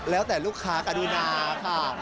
แล้วแต่ลูกค้ากรุณาค่ะ